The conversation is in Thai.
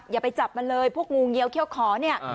อย่าไปจับมันเลยพวกงูเงียวเขี้ยวขอเนี่ย